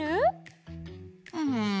うん。